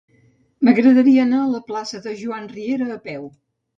M'agradaria anar a la plaça de Joan Riera a peu.